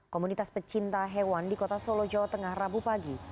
komunitas pecinta hewan di kota solo jawa tengah rabu pagi